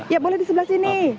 ya boleh di sebelah sini